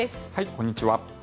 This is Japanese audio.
こんにちは。